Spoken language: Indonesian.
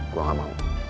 gue gak mau